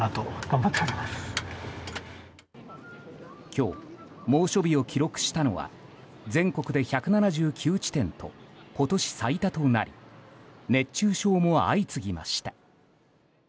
今日、猛暑日を記録したのは全国で１７９地点と今年最多となり熱中症も相次ぎました。